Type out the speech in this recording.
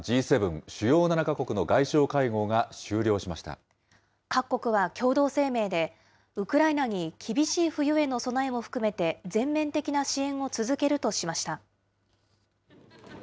主要７か国の外相各国は共同声明で、ウクライナに厳しい冬への備えも含めて、全面的な支援を続けるとしました。